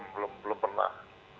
belum belum pernah